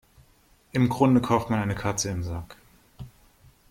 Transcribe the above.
Im Grunde kauft man eine Katze im Sack.